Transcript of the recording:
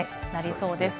そうですね。